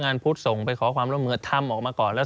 สำหรับสนุนโดยหวานได้ทุกที่ที่มีพาเลส